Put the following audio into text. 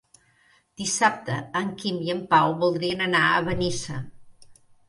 Dissabte en Quim i en Pau voldrien anar a Benissa.